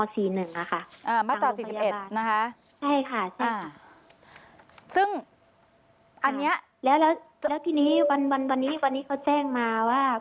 มาตรา๔๑นะคะทางโรงพยาบาลใช่ค่ะค่ะซึ่งอันนี้แล้วทีนี้วันนี้เขาแจ้งมาว่า